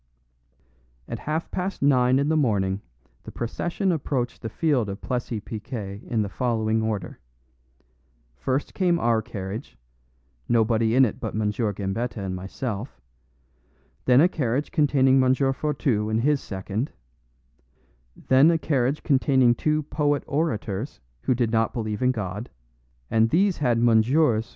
At half past nine in the morning the procession approached the field of Plessis Piquet in the following order: first came our carriage nobody in it but M. Gambetta and myself; then a carriage containing M. Fourtou and his second; then a carriage containing two poet orators who did not believe in God, and these had MS.